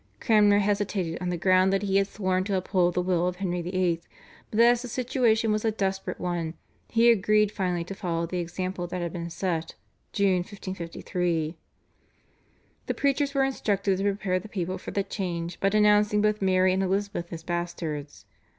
Cranmer hesitated on the ground that he had sworn to uphold the will of Henry VIII., but as the situation was a desperate one, he agreed finally to follow the example that had been set (June 1553). The preachers were instructed to prepare the people for the change by denouncing both Mary and Elizabeth as bastards.